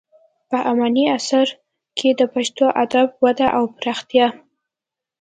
په اماني عصر کې د پښتو ادب وده او پراختیا.